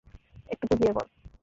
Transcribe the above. একটু বুঝিয়ে বল।